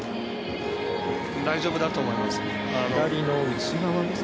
大丈夫だと思います。